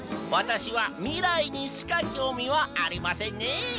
わたしはみらいにしかきょうみはありませんねえ。